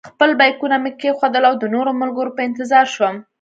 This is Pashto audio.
خپل بېکونه مې کېښودل او د نورو ملګرو په انتظار شوم.